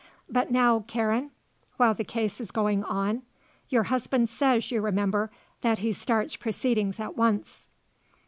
But now, Karen? While the case is going on? Your husband says, you remember, that he starts proceedings at once."